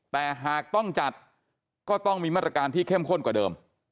แต่หากต้องจัดก็ต้องมีมาตรการที่เข้มข้นกว่าเดิม